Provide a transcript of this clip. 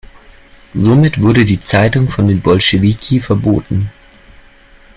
Somit wurde die Zeitung von den Bolschewiki verboten.